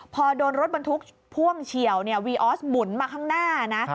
พอโดนรถบรรทุกพ่วงเฉียววีออสหมุนมาข้างหน้านะ